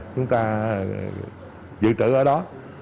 chúng ta dự trữ ở đó